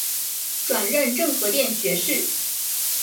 转任政和殿学士。